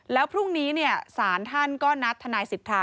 แล้วพรุ่งนี้สารท่านก็นัดทนายสิทธา